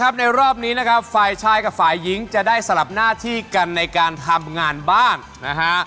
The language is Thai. ในรอบนี้นะครับฝ่ายชายกับฝ่ายหญิงจะได้สลับหน้าที่กันในการทำงานบ้างนะฮะ